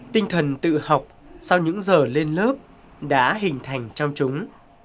tinh thần tự học sau những giờ lên lớp đã hình thành trong chúng